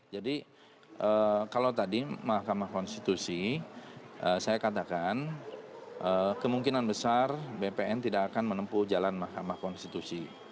jadi kalau tadi mahkamah konstitusi saya katakan kemungkinan besar bpn tidak akan menempuh jalan mahkamah konstitusi